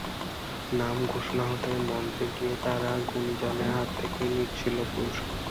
নাম ঘোষণা হতেই মঞ্চে গিয়ে তারা গুণীজনের হাত থেকে নিচ্ছিল পুরস্কার।